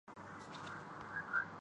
ہم نے کیا بنا دیا؟